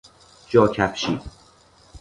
جا کفشی